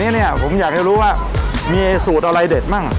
เนี่ยผมอยากจะรู้ว่ามีสูตรอะไรเด็ดมั่ง